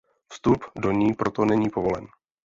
Vstup do ní proto není povolen.